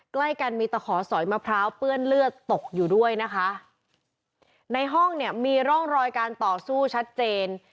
ใกล้กันมีตะขอสอยมะพร้าวเปื้อนเลือดตกอยู่ด้วยนะคะในห้องเนี่ยมีร่องรอยการต่อสู้ชัดเจน